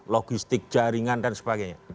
logistik jaringan dan sebagainya